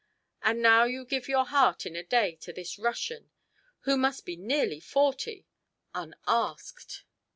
And now you give your heart in a day to this Russian who must be nearly forty unasked."